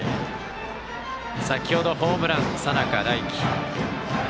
先ほどホームラン佐仲大輝。